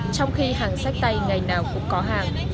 trong khi hàng sách tay ngày nào cũng có hàng